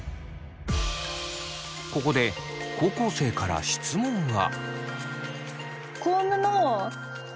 ここで高校生から質問が。